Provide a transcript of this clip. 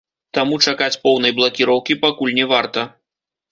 Таму чакаць поўнай блакіроўкі пакуль не варта.